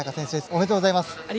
おめでとうございます。